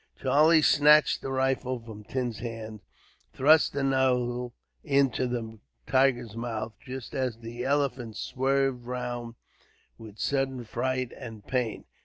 Charlie snatched the rifle from Tim's hand, and thrust the muzzle into the tiger's mouth, just as the elephant swerved round with sudden fright and pain.